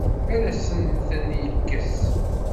Ad asent-ten-yekkes?